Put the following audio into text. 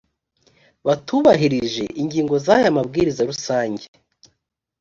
batubahirije ingingo z’aya mabwiriza rusange